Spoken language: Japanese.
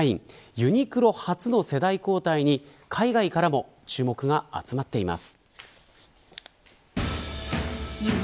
ユニクロ初の世代交代に海外からも注目が集まっています。